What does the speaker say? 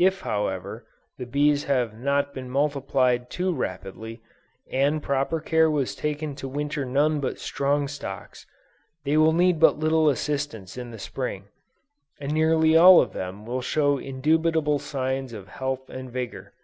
If however, the bees have not been multiplied too rapidly, and proper care was taken to winter none but strong stocks, they will need but little assistance in the Spring; and nearly all of them will show indubitable signs of health and vigor.